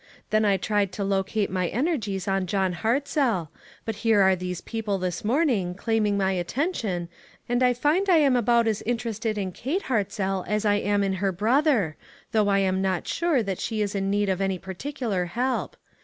Then I tried to locate my energies on John Hartzell ; but here are these peo ple this morning, claiming my attention, and I find I am about as much interested in Kate Hartzell as I am in her brother, though I am not sure that she is in need of any particular help.